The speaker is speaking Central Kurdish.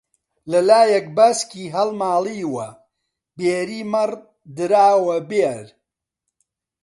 لەلایەک باسکی هەڵماڵیوە بێری مەڕ دراوە بێر